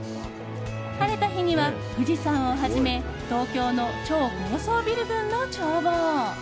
晴れた日には、富士山をはじめ東京の超高層ビル群の眺望。